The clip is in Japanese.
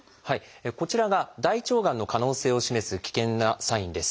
こちらが大腸がんの可能性を示す危険なサインです。